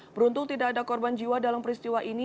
beruntung tidak ada korban jiwa dalam peristiwa ini